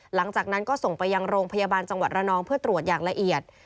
หลังจากนั้นก็ส่งไปยังโรงพยาบาลจังหวัดระนองเพื่อตรวจอย่างละเอียด